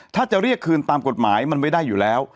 ถ้าจะเรียกคืนตามกฎหมายมันไม่ได้อยู่แล้ว